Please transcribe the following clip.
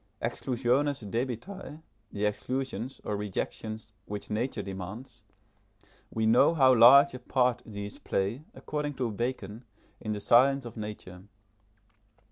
Exclusiones debitae the exclusions, or rejections, which nature demands we know how large a part these play, according to Bacon, in the science of nature.